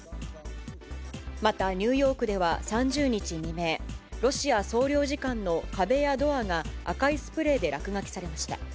またニューヨークでは３０日未明、ロシア総領事館の壁やドアが赤いスプレーで落書きされました。